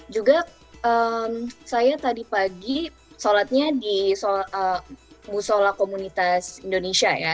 juga saya tadi pagi sholatnya di musola komunitas indonesia ya